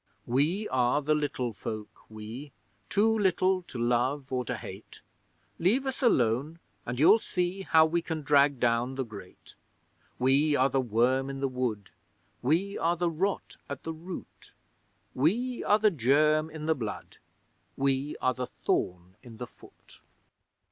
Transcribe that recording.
We are the Little Folk we! Too little to love or to hate. Leave us alone and you'll see How we can drag down the Great! We are the worm in the wood! We are the rot at the root! We are the germ in the blood! We are the thorn in the foot!